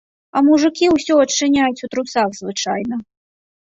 А мужыкі ўсё адчыняюць у трусах звычайна.